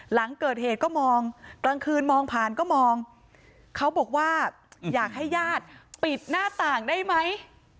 หลังเกิดเหตุก็มองกลางคืนมองผ่านก็มองเขาบอกว่าอยากให้ญาติปิดหน้าต่างได้ไหม